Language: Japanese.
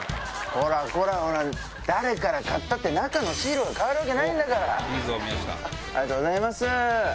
こらこら、誰から買ったって、中のシールは変わるわけないんだから、ありがとうございます。